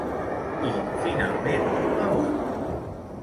I finalment, a on?